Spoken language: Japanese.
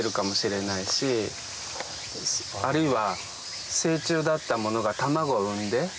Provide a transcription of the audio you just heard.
あるいは。